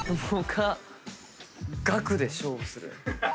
額で勝負する？